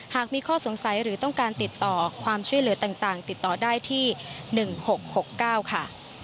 หากมีข้อสงสัยหรือต้องการติดต่อความช่วยเหลือต่างติดต่อได้ที่๑๖๖๙ค่ะ